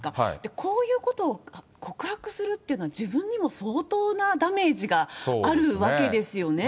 こういうことを告白するっていうのは、自分にも相当なダメージがあるわけですよね。